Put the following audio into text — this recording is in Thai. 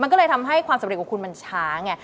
มันก็เลยทำให้ความสำเร็จของคุณมันช้าไง